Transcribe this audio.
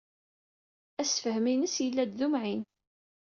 Assefhem-ines yella-d d umɛin.